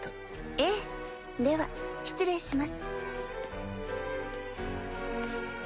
ええでは失礼します。